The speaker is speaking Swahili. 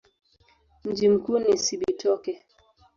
Mji mkuu ni Cibitoke.